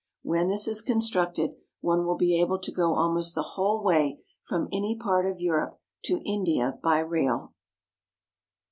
When this is constructed, one will be able to go almost the whole way from any part of Europe to India by rail.